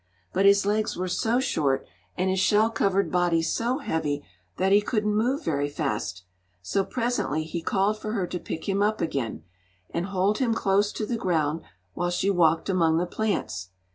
But his legs were so short and his shell covered body so heavy, that he couldn't move very fast; so presently he called for her to pick him up again, and hold him close to the ground while she walked among the plants.